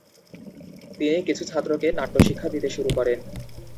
তিনি কিছু ছাত্রকে নাট্য শিক্ষা দিতে শুরু করেন।